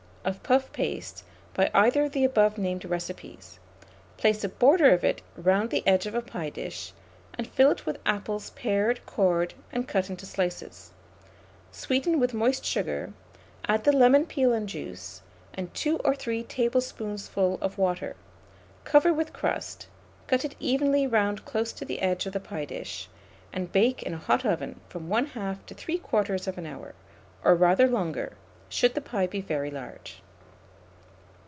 of puff paste by either of the above named recipes, place a border of it round the edge of a pie dish, and fill it with apples pared, cored, and cut into slices; sweeten with moist sugar, add the lemon peel and juice, and 2 or 3 tablespoonfuls of water; cover with crust, cut it evenly round close to the edge of the pie dish, and bake in a hot oven from 1/2 to 3/4 hour, or rather longer, should the pie be very large.